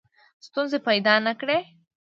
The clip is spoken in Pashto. ستونزې پیدا نه کړي.